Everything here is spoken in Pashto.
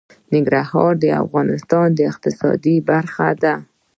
ننګرهار د افغانستان د اقتصاد برخه ده.